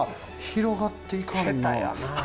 広がっていかんなぁ。